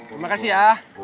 terima kasih ya